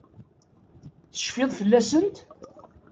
Tecfid fell-asent?